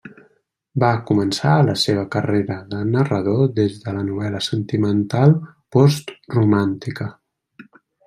Va començar la seva carrera de narrador des de la novel·la sentimental postromàntica.